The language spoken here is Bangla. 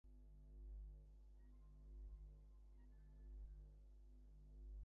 এতে চালকের আয় হলেও সেবাদাতা প্রতিষ্ঠানগুলো বঞ্চিত হয়েছে তাদের প্রাপ্য আয় থেকে।